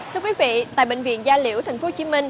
thưa quý vị tại bệnh viện gia liễu tp hcm